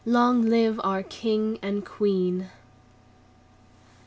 Long live our King and Queen!"